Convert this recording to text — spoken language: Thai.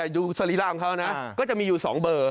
อยู่สริราบของเขานะก็จะมีอยู่สองเบอร์